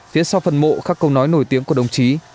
phía sau phần mộ các câu nói nổi tiếng của đồng chí